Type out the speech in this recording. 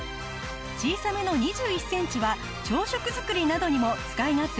小さめの２１センチは朝食作りなどにも使い勝手抜群です。